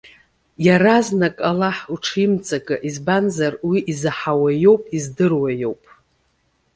Иаразнак Аллаҳ уҽимҵакы! Избанзар, Уи изаҳауа иоуп, издыруа иоуп.